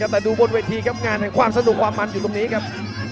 แต่ดูบนเวทีครับงานแห่งความสนุกความมันอยู่ตรงนี้ครับ